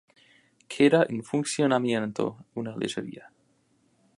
Queda en funcionamiento una lechería.